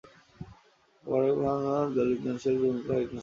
আরবের হাতেগোনা দানশীলদের অন্যতম এক দানশীল ব্যক্তি।